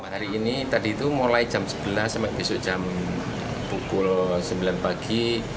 hari ini tadi itu mulai jam sebelas sampai besok jam pukul sembilan pagi